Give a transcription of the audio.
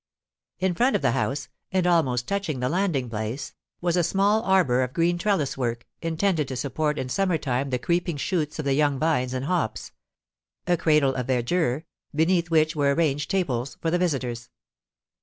In front of the house, and almost touching the landing place, was a small arbour of green trellis work, intended to support in summer time the creeping shoots of the young vines and hops, a cradle of verdure, beneath which were arranged tables for the visitors.